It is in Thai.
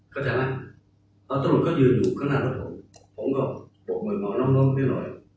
เข้าจากนั้นตำรวจก็ยืนอยู่ข้างหน้าตรงนั้นผมก็บอกเหมือนหมอน้ำน้องนิดหน่อย